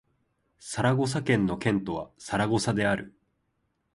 サラゴサ県の県都はサラゴサである